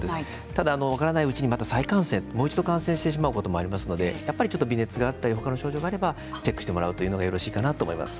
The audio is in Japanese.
ただ分からないうちに再感染してしまうこともありますので微熱があったり他の症状があればチェックしてもらうのがよろしいかと思います。